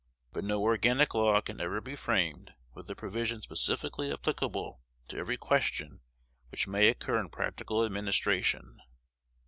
But no organic law can ever be framed with a provision specifically applicable to every question which may occur in practical administration.